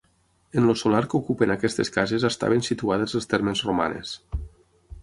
En el solar que ocupen aquestes cases estaven situades les termes romanes.